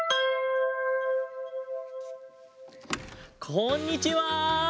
こんにちは！